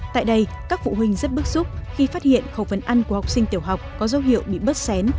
tại đây các phụ huynh rất bức xúc khi phát hiện khẩu phần ăn của học sinh tiểu học có dấu hiệu bị bớt xén